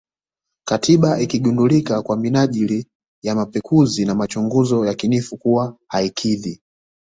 Katiba ikigundulika kwa minajili ya mapekuzi na machunguzo yakinifu kuwa haikidhi